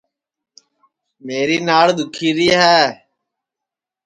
میری ناڑ دُؔکھی ری ہے